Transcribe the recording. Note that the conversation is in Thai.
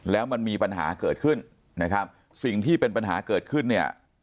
แล้วมันมีปัญหาเกิดขึ้นนะครับสิ่งที่เป็นปัญหาเกิดขึ้นเนี่ย